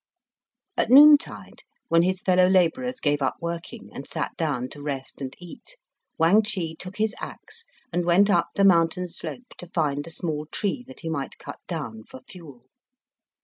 At noontide, when his fellow labourers gave up working, and sat down to rest and eat, Wang Chih took his axe and went up the mountain slope to find a small tree he might cut down for fuel.